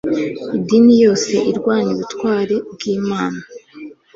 Idini yose irwanya ubutware bw'Imana,